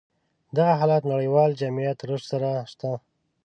دغه حالت نړيوال جميعت رشد سره شته.